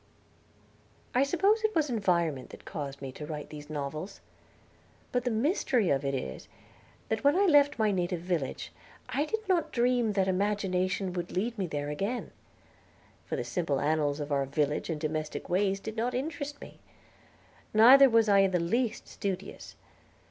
I suppose it was environment that caused me to write these novels; but the mystery of it is, that when I left my native village I did not dream that imagination would lead me there again, for the simple annals of our village and domestic ways did not interest me; neither was I in the least studious.